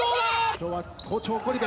今日は好調ゴリ部。